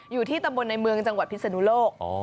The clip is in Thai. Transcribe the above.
อยู่ที่ตำบลในเมืองจังหวัดพิศนุโลก